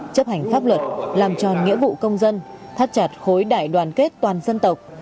góp luật làm tròn nghĩa vụ công dân thắt chặt khối đại đoàn kết toàn dân tộc